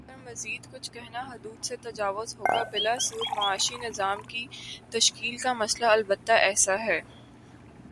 اس پر مزیدکچھ کہنا حدود سے تجاوز ہوگا بلاسود معاشی نظام کی تشکیل کا مسئلہ البتہ ایسا ہے۔